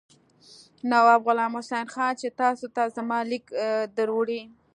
نواب غلام حسین خان چې تاسو ته زما لیک دروړي.